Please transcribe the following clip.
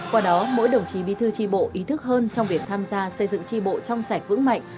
qua đó mỗi đồng chí bí thư tri bộ ý thức hơn trong việc tham gia xây dựng tri bộ trong sạch vững mạnh